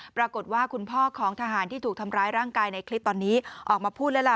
ปรากฏว่าคุณพ่อของทหารที่ถูกทำร้ายร่างกายในคลิปตอนนี้ออกมาพูดแล้วล่ะ